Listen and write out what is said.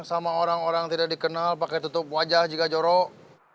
sama orang orang tidak dikenal pakai tutup wajah juga jorok